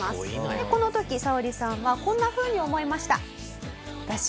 でこの時サオリさんはこんなふうに思いました。